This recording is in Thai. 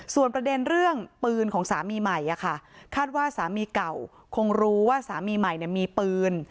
ส่วนประเด็นเรื่องปืนของสามีใหม่คาดว่าสามีเก่าคงรู้ว่าสามีใหม่มีปืน